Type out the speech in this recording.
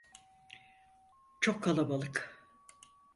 Çok kalabalık.